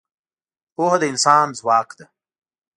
پوهه د انسان ځواک ده.